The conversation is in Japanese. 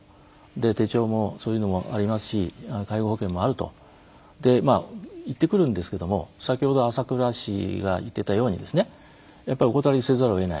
で手帳もそういうのもありますし介護保険もあると言ってくるんですけども先ほど朝倉市が言っていたようにお断りせざるをえない。